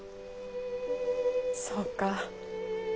そうか。